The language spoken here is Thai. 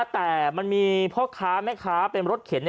แต่มันมีพ่อค้าแม่ค้าเป็นรถเข็น